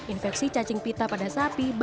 infeksi cacing pita pada sapi